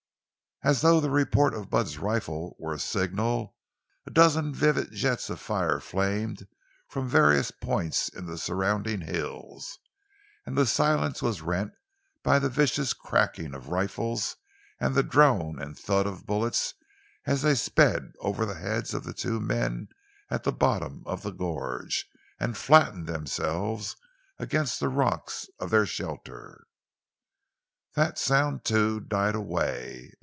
As though the report of Bud's rifle were a signal, a dozen vivid jets of fire flamed from various points in the surrounding hills, and the silence was rent by the vicious cracking of rifles and the drone and thud of bullets as they sped over the heads of the two men at the bottom of the gorge and flattened themselves against the rocks of their shelter. That sound, too, died away.